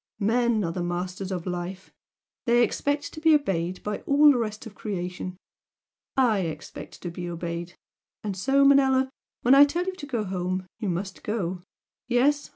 Men are the masters of life! They expect to be obeyed by all the rest of creation. I expect to be obeyed! and so, Manella, when I tell you to go home, you must go! Yes!